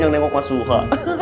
yang nengok mah suka